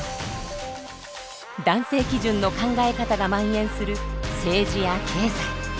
男性基準の考え方がまん延する政治や経済。